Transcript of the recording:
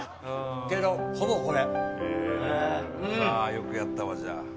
よくやったわじゃあ。